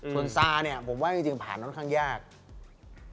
ตัวสารบิสุอาพิษูนิศบอลความกลับไม่ได้